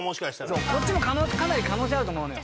そうこっちもかなり可能性あると思うのよ。